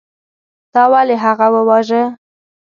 تا ولې هغه وواژه.